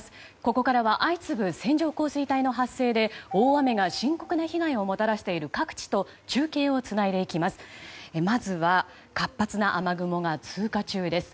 ここからは相次ぐ線状降水帯の発生で大雨が深刻な被害をもたらしている各地と中継をつないでいきます。